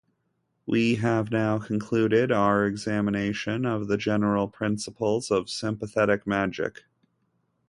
We have now concluded our examination of the general principles of sympathetic magic.